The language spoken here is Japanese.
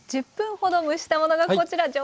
１０分ほど蒸したものがこちら！